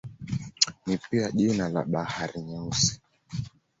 Ni pia jina la Bahari Nyeusi.